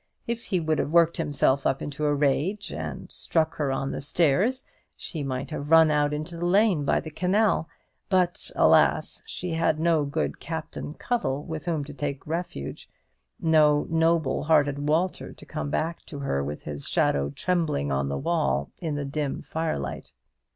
If he would have worked himself up into a rage, and struck her on the stairs, she might have run out into the lane by the canal; but, alas, she had no good Captain Cuttle with whom to take refuge, no noble hearted Walter to come back to her, with his shadow trembling on the wall in the dim firelight!